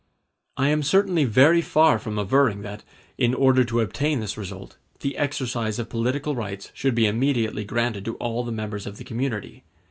I am certainly very far from averring that, in order to obtain this result, the exercise of political rights should be immediately granted to all the members of the community.